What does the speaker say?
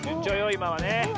いまはね。